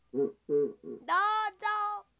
どうぞ。